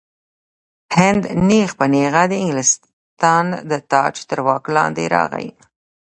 هند نیغ په نیغه د انګلستان د تاج تر واک لاندې راغی.